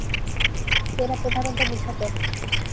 এরা প্রধানত নিশাচর।